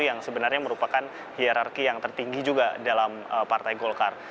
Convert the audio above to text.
yang sebenarnya merupakan hierarki yang tertinggi juga dalam partai golkar